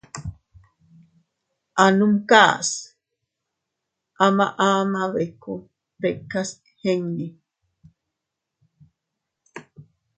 A numkas ama ama bikku tikas iinni.